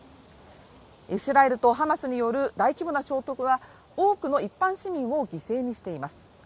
イスラエルとハマスによる大規模な衝突が多くの一般市民を犠牲にしています。